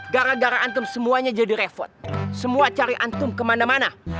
gara gara antum semuanya jadi repot semua cari antum kemana mana